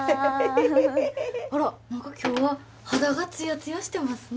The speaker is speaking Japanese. ヘヘヘヘヘあらっ何か今日は肌がツヤツヤしてますね